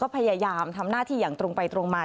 พยายามทำหน้าที่อย่างตรงไปตรงมา